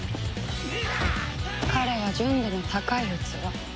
彼は純度の高い器。